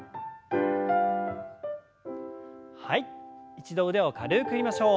一度腕を軽く振りましょう。